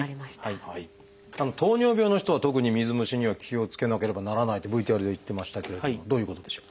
糖尿病の人は特に水虫には気をつけなければならないってＶＴＲで言ってましたけれどもどういうことでしょう？